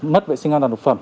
mất vệ sinh an toàn thực phẩm